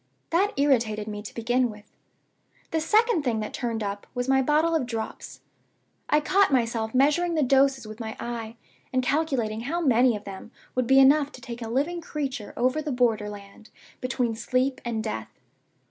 That irritated me, to begin with. The second thing that turned up was my bottle of Drops. I caught myself measuring the doses with my eye, and calculating how many of them would be enough to take a living creature over the border land between sleep and death.